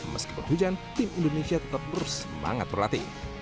meskipun hujan tim indonesia tetap bersemangat berlatih